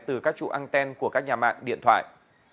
từ các trụ an ten của các nhà mạng điện thoại